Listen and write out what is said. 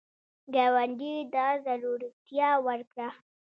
ګاونډي ته زړورتیا ورکړه